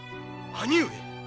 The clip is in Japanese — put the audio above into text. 兄上！